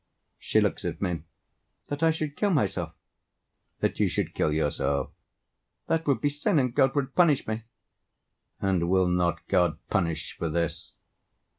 She looks at me. "That I should kill myself?"— "That you should kill yourself."—"That would be sin, And God would punish me!"—"And will not God Punish for this?"